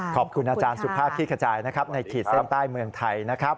ขอบคุณอาจารย์สุภาพขี้ขจายนะครับในขีดเส้นใต้เมืองไทยนะครับ